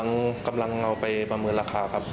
กำลังเอาไปประเมินราคาครับ